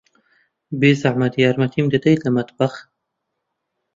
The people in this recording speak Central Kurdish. بێزەحمەت، یارمەتیم دەدەیت لە مەتبەخ؟